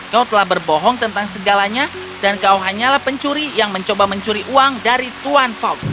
kau telah berbohong tentang segalanya dan kau hanyalah pencuri yang mencoba mencuri uang dari tuan fog